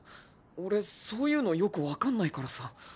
俺そういうのよく分かんないからさ。